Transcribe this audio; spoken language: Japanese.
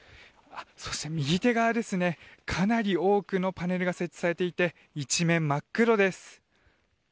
そして右手側、かなり多くのパネルが設置されていて一面、真っ黒です。